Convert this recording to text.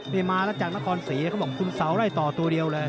นี่มาแล้วจากนครศรีเขาบอกคุณเสาไล่ต่อตัวเดียวเลย